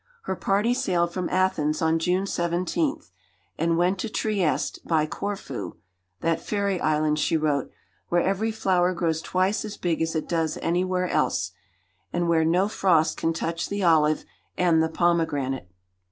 Her party sailed from Athens on June 17, and went to Trieste by Corfu "that fairy island," she wrote, "where every flower grows twice as big as it does anywhere else, and where no frost can touch the olive and the pomegranate."